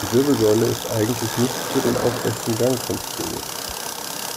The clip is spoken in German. Die Wirbelsäule ist eigentlich nicht für den aufrechten Gang konstruiert.